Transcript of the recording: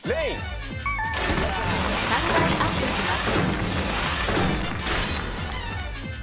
［３階アップします］